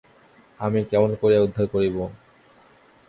আমি কেমন করিয়া উদ্ধার করিব।